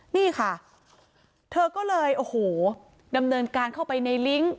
นี่ค่ะเธอก็เลยโอ้โหดำเนินการเข้าไปในลิงก์